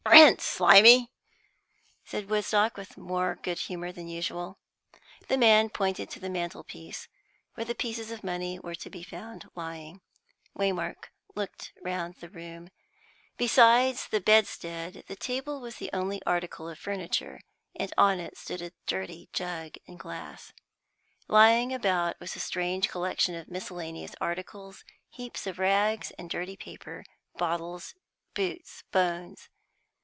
"Rent, Slimy," said Mr. Woodstock with more of good humour than usual. The man pointed to the mantelpiece, where the pieces of money were found to be lying. Waymark looked round the room. Besides the bedstead, a table was the only article of furniture, and on it stood a dirty jug and a glass. Lying about was a strange collection of miscellaneous articles, heaps of rags and dirty paper, bottles, boots, bones.